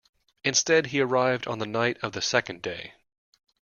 Instead, he arrived on the night of the second day.